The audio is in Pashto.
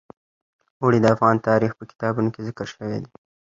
اوړي د افغان تاریخ په کتابونو کې ذکر شوی دي.